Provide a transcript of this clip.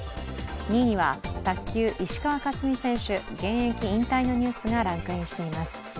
２位には卓球・石川佳純選手、現役引退のニュースがランクインしています。